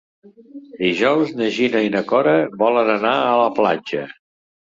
Dijous na Gina i na Cora volen anar a la platja.